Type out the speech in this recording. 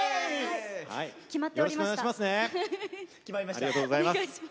ありがとうございます。